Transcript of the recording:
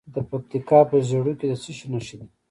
د پکتیکا په زیروک کې د څه شي نښې دي؟